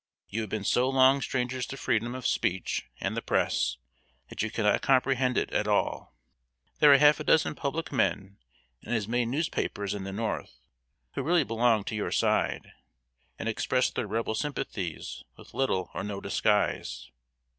You have been so long strangers to freedom of speech and the press, that you cannot comprehend it at all. There are half a dozen public men and as many newspapers in the North, who really belong to your side, and express their Rebel sympathies with little or no disguise.